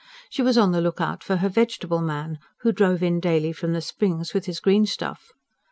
She was on the look out for her "vegetable man," who drove in daily from the Springs with his greenstuff.